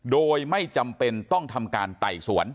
โดยไม่จำเป็นต้องทำการไต่สวน